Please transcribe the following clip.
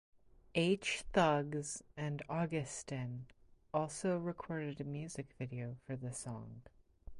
H Thugz and Augustin also recorded a music video for the song.